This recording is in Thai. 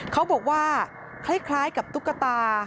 เขาบอกว่าคล้ายกับตุ๊กตา